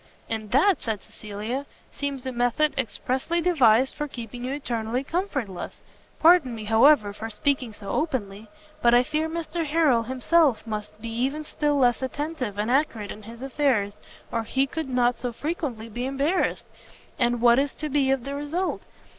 "And that," said Cecilia, "seems a method expressly devised for keeping you eternally comfortless: pardon me, however, for speaking so openly, but I fear Mr Harrel himself must be even still less attentive and accurate in his affairs, or he could not so frequently be embarrassed. And what is to be the result?